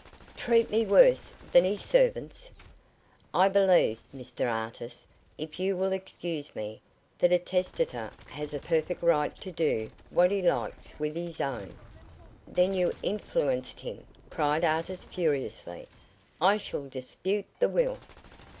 Treat me worse than his servants?" "I believe, Mr Artis, if you will excuse me, that a testator has a perfect right to do what he likes with his own." "Then you influenced him," cried Artis furiously. "I shall dispute the will."